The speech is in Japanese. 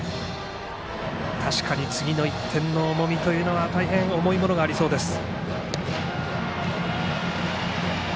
確かに次の１点の重みは大変重いものがありそうです。